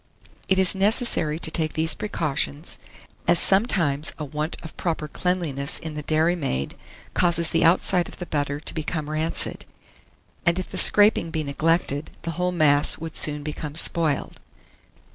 It is necessary to take these precautions, as sometimes a want of proper cleanliness in the dairymaid causes the outside of the butter to become rancid, and if the scraping be neglected, the whole mass would soon become spoiled.